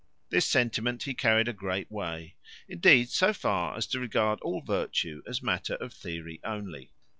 This sentiment he carried a great way; indeed, so far, as to regard all virtue as matter of theory only.